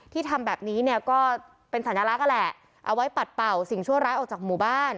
ทำแบบนี้เนี่ยก็เป็นสัญลักษณ์นั่นแหละเอาไว้ปัดเป่าสิ่งชั่วร้ายออกจากหมู่บ้าน